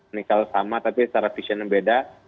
ini kalau sama tapi secara visionnya beda